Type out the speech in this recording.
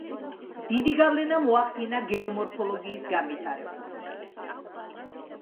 დიდი გავლენა მოახდინა გეომორფოლოგიის განვითარებაზე.